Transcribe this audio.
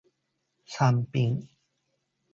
サンピン